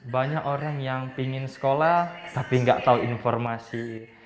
banyak orang yang ingin sekolah tapi nggak tahu informasi